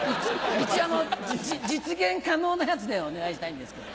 一応実現可能なやつでお願いしたいんですけど。